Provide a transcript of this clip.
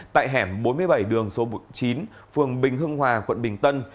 tại hẻm bốn mươi bảy đường số chín phường bình hưng hòa quận bình tân